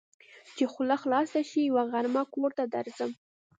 چې خوله خلاصه شي؛ يوه غرمه کور ته درځم.